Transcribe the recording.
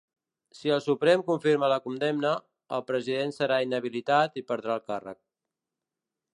Si el Suprem confirma la condemna, el president serà inhabilitat i perdrà el càrrec.